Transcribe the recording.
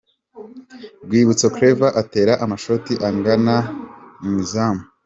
Rwibutso Claver atera amashoti agana mu izamu.